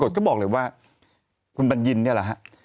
ก็บอกเลยว่าคุณบัญญินเนี่ยแหละฮะ